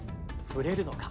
ふれるのか？